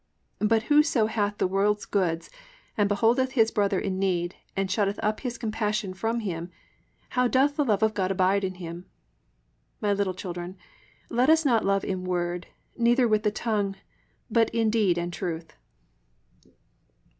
(17) But whoso hath the world's goods, and beholdeth his brother in need, and shutteth up his compassion from him, how doth the love of God abide in him? (18) My little children, let us not love in word, neither with the tongue; but in deed and truth."